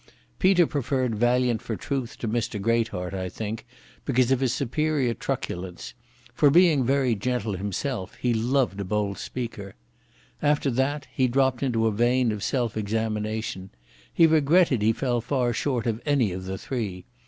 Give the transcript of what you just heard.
Peter preferred Valiant for Truth to Mr Greatheart, I think, because of his superior truculence, for, being very gentle himself, he loved a bold speaker. After that he dropped into a vein of self examination. He regretted that he fell far short of any of the three.